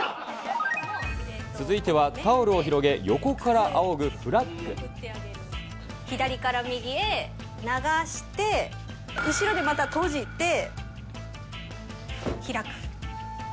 続いてはタオルを広げ、左から右へ流して、後ろでまた閉じて、開く。